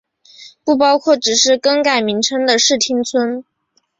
不包括只是更改名称的市町村。